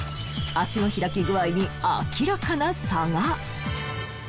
脚の開き具合に明らかな差が。